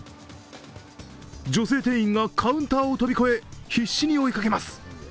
女性店員がカウンターを跳び越え、必死に追いかけます。